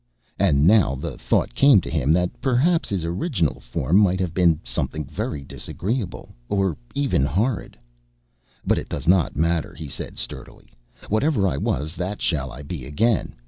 And now the thought came to him that perhaps his original form might have been something very disagreeable, or even horrid. "But it does not matter," he said sturdily. "Whatever I was that shall I be again.